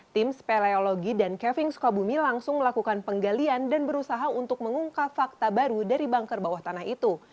tim speleologi dan keving sukabumi langsung melakukan penggalian dan berusaha untuk mengungkap fakta baru dari banker bawah tanah itu